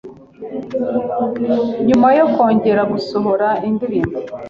nyuma yo kongera gusohora indirimbo